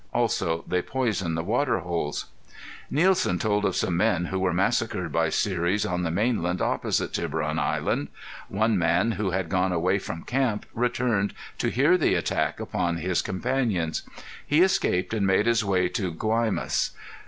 Also they poison the water holes. Nielsen told of some men who were massacred by Seris on the mainland opposite Tiburon Island. One man, who had gone away from camp, returned to hear the attack upon his companions. He escaped and made his way to Gyamus.